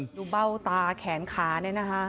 เบ้าตาแขนขาเนี่ยนะคะ